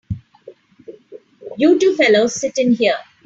You two fellas sit in here.